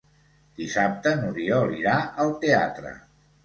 Dissabte n'Oriol irà al teatre.